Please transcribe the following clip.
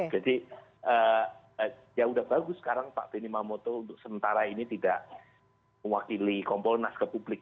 jadi ya sudah bagus sekarang pak benny mamoto untuk sementara ini tidak mewakili komponas ke publik